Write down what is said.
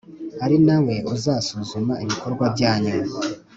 ari na we uzasuzuma ibikorwa byanyu,